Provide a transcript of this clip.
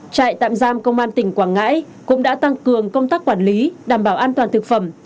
trại tạm giam công an tỉnh quảng ngãi cũng đã tăng cường công tác quản lý đảm bảo an toàn thực phẩm